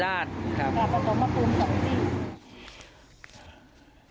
กลับมาตรงมะปูม